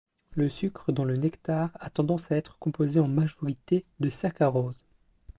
Le sucre dans le nectar a tendance à être composé en majorité de saccharose.